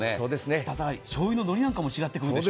舌触り、しょうゆの乗りなんかも違ってくるでしょ。